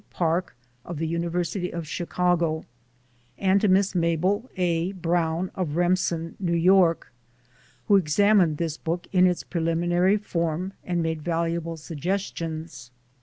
Park of the University of Chicago and to Miss Mabel A. Brown of Remsen, N. Y., who examined this book in its pre liminary form and made valuable suggestions.